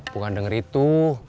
bukan denger itu